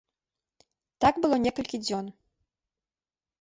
Так было некалькі дзён.